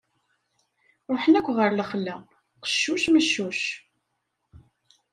Ruḥen akk ɣer lexla: qeccuc meccuc.